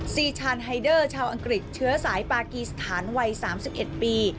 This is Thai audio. ซีชานไฮเดอร์ชาวอังกฤษเชื้อสายปากีสถานวัย๓๑ปี